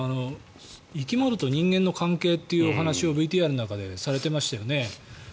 生き物と人間の関係というお話をＶＴＲの中でされていましたよね。